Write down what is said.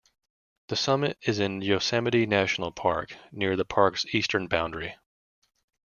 The summit is in Yosemite National Park near the park's eastern boundary.